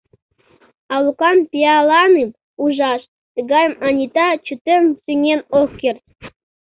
А Лукам пиаланым ужаш - тыгайым Анита чытен сеҥен ок керт.